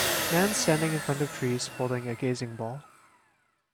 Man standing in front of trees holding a gazing ball.